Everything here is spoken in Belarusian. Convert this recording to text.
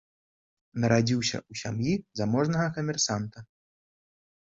Нарадзіўся ў сям'і заможнага камерсанта.